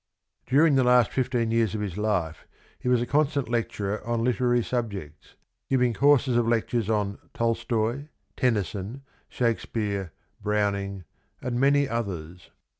During the last fifteen years of his life he was a constant lecturer on literary subjects, giving courses of lectures on Tolstoi, Tennyson, Shake speare, Browning, and many others.